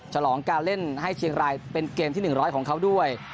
ฉลองการเล่นให้เชียงรายเป็นเกมที่๑๐๐ของเขาด้วย